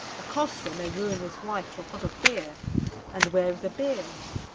A coster may ruin his wife for a pot of beer; and where is the beer?